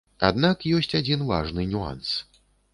Аднак ёсць адзін важны нюанс.